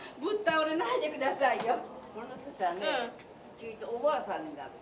ちいとおばあさんになった。